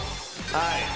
はい。